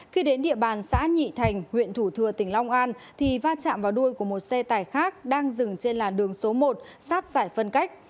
khi đến địa bàn xã nhị thành huyện thủ thừa tỉnh long an thì va chạm vào đuôi của một xe tải khác đang dừng trên làn đường số một sát giải phân cách